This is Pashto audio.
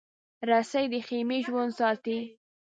رسۍ د خېمې ژوند ساتي.